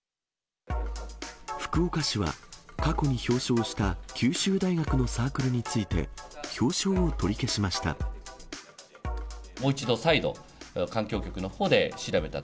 福岡市は、過去に表彰した九州大学のサークルについて、表彰を取り消しました。